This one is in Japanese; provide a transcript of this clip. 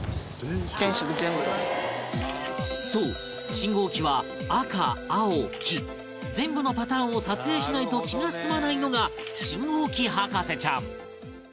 そう信号機は赤青黄全部のパターンを撮影しないと気が済まないのが信号機博士ちゃん